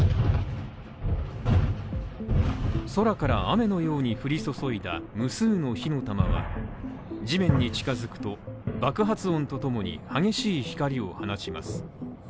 空から雨のように降り注いだ無数の火の玉は地面に近づくと、爆発音とともに激しい光を放ちます。